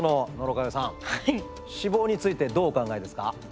脂肪についてどうお考えですか？